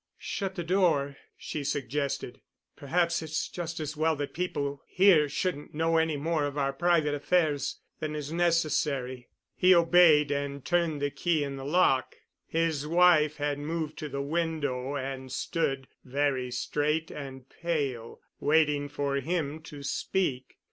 "Shut the door," she suggested. "Perhaps it's just as well that people here shouldn't know any more of our private affairs than is necessary." He obeyed and turned the key in the lock. His wife had moved to the window and stood, very straight and pale, waiting for him to speak.